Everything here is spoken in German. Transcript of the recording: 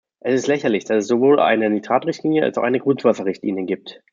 Es ist lächerlich, dass es sowohl eine Nitratrichtlinie als auch eine Grundwasserrichtlinie gibt.